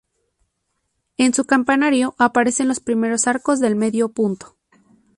En su campanario aparecen los primeros arcos de medio punto.